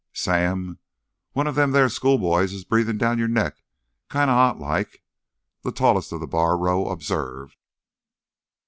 "Sam, one o' them thar schoolboys is breathin' down yore neck kinda hot like," the tallest of the bar row observed.